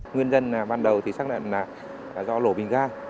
nguyên nhân ban đầu thì xác định là do lổ bình ga